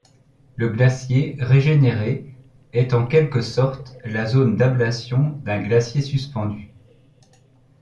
Le glacier régénéré est en quelque sorte la zone d'ablation d'un glacier suspendu.